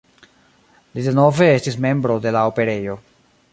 Li denove estis membro de la Operejo.